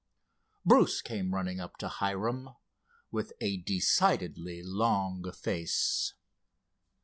Bruce came running up to Hiram with a decidedly long face.